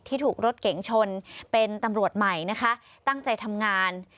ถูกรถเก๋งชนเป็นตำรวจใหม่นะคะตั้งใจทำงาน